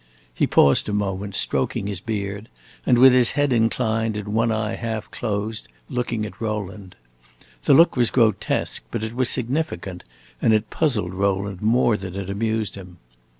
He paused a moment, stroking his beard, with his head inclined and one eye half closed, looking at Rowland. The look was grotesque, but it was significant, and it puzzled Rowland more than it amused him.